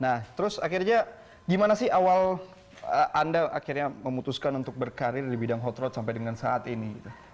nah terus akhirnya gimana sih awal anda akhirnya memutuskan untuk berkarir di bidang hot road sampai dengan saat ini